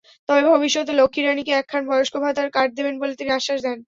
তবে ভবিষ্যতে লক্ষ্মীরানীকে একখানা বয়স্ক ভাতার কার্ড দেবেন বলে তিনি আশ্বাস দেন।